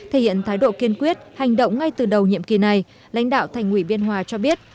thể hiện thái độ kiên quyết hành động ngay từ đầu nhiệm kỳ này lãnh đạo thành ủy biên hòa cho biết